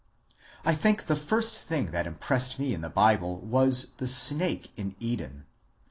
I think the first thing that impressed me in the Bible was the snake in Eden.